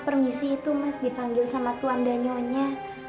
permisi itu mas dipanggil sama tuan danionya